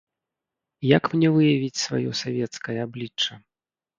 Як мне выявіць сваё савецкае аблічча?